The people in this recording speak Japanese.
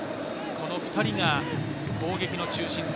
この２人が攻撃の中心。